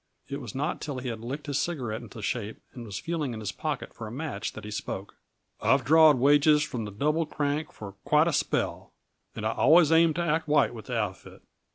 It was not till he had licked his cigarette into shape and was feeling in his pocket for a match that he spoke. "I've drawed wages from the Double Crank for quite a spell, and I always aimed to act white with the outfit.